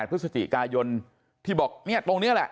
พฤศจิกายนที่บอกเนี่ยตรงนี้แหละ